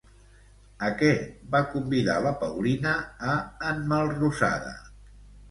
A què va convidar la Paulina a en Melrosada?